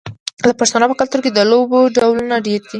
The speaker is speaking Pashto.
د پښتنو په کلتور کې د لوبو ډولونه ډیر دي.